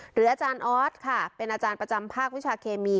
อาจารย์ออสค่ะเป็นอาจารย์ประจำภาควิชาเคมี